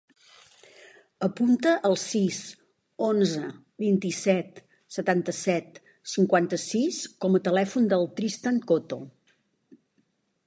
Apunta el sis, onze, vint-i-set, setanta-set, cinquanta-sis com a telèfon del Tristan Coto.